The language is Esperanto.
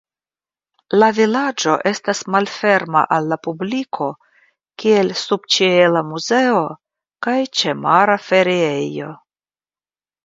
La vilaĝo estas malferma al la publiko kiel subĉiela muzeo kaj ĉemara feriejo.